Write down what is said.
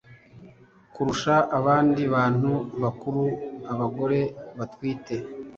kurusha abandi bantu bakuru abagore batwite